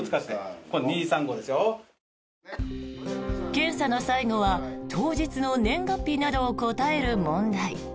検査の最後は当日の年月日などを答える問題。